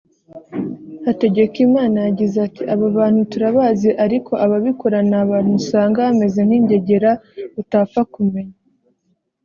Hategekimana yagize ati “Abo bantu turabazi ariko ababikora ni abantu usanga bameze nk’ingegera utapfa kumenya